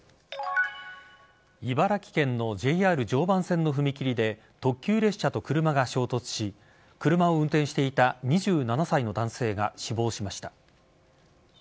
茨城県のＪＲ常磐線の踏切で特急列車と車が衝突し車を運転していた２７歳の男性が死亡しました。